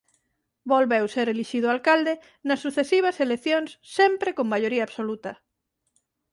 Volveu ser elixido alcalde nas sucesivas eleccións sempre con maioría absoluta.